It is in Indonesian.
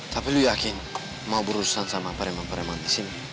tapi lo yakin mau berurusan sama preman preman di sini